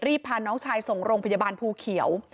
พาน้องชายส่งโรงพยาบาลภูเขียว